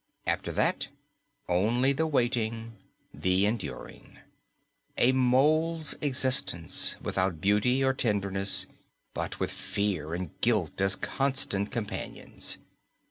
After that, only the waiting, the enduring. A mole's existence, without beauty or tenderness, but with fear and guilt as constant companions.